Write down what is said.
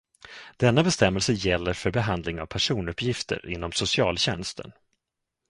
Denna bestämmelse gäller för behandling av personuppgifter inom socialtjänsten.